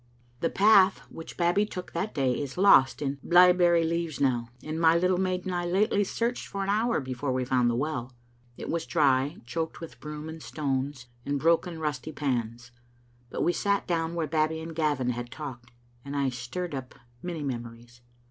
The path which Babbie took that day is lost in blae berry leaves now, and my little maid and I lately searched for an hour before we found the well. It was dry, choked with broom and stones, and broken rusty pans, but we sat down where Babbie and Gavin had talked, and I stirred up many memories.